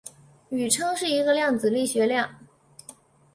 宇称是一个量子力学量。